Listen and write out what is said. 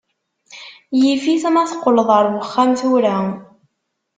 Yif-it ma teqqleḍ ar wexxam tura.